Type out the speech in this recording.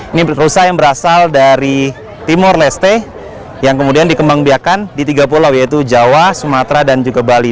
ini rusa yang berasal dari timur leste yang kemudian dikembang biakan di tiga pulau yaitu jawa sumatera dan juga bali